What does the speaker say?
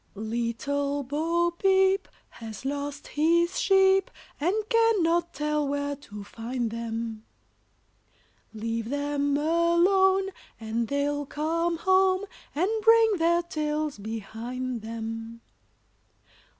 ] Little Bo Peep has lost his sheep, And cannot tell where to find them Leave them alone, and they'll come home, And bring their tails behind them.